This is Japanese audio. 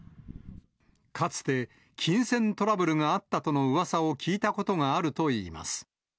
かつて、金銭トラブルがあったとのうわさを聞いたことがあるといいます。